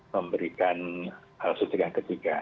memberikan suntikan ketiga